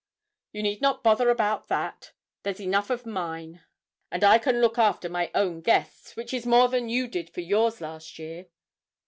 "You need not bother about that there's enough of mine, and I can look after my own guests, which is more than you did for yours last year."